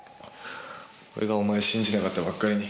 俺がお前信じなかったばっかりに。